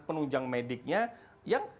penunjang mediknya yang